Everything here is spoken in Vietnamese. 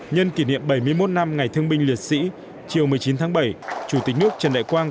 nhân kỷ niệm bảy mươi một năm ngày thương binh liệt sĩ chiều một mươi chín tháng bảy chủ tịch nước trần đại quang